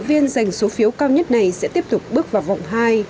phiếu cao nhất này sẽ tiếp tục bước vào vòng hai